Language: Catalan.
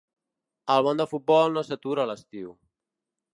El món del futbol no s’atura a l’estiu.